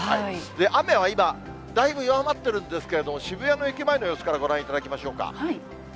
雨は今、だいぶ弱まってるんですけれども、渋谷の駅前の様子からご覧いただきましょうか。